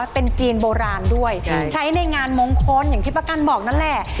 เป็นจีนโบราณด้วยใช้ในงานมงคลอย่างที่ประกันบอกนั่นแหละ